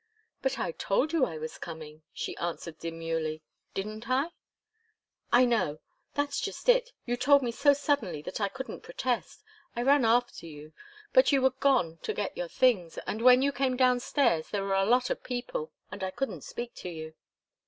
"But I told you I was coming," she answered demurely. "Didn't I?" "I know. That's just it. You told me so suddenly that I couldn't protest. I ran after you, but you were gone to get your things, and when you came downstairs there were a lot of people, and I couldn't speak to you."